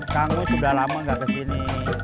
kang kamu sudah lama gak kesini